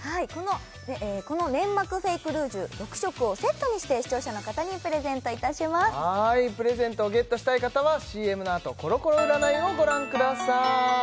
このネンマクフェイクルージュ６色をセットにして視聴者の方にプレゼントいたしますプレゼントをゲットしたい方はＣＭのあとコロコロ占いをご覧ください